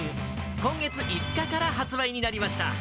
今月５日から発売になりました。